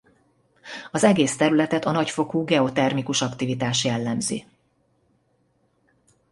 Az egész területet a nagyfokú geotermikus aktivitás jellemzi.